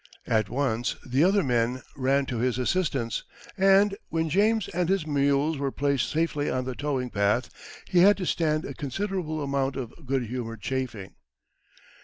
At once the other men ran to his assistance, and, when James and his mules were placed safely on the towing path, he had to stand a considerable amount of good humoured chaffing.